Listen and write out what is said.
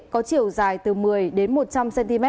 có chiều dài từ một mươi đến một trăm linh cm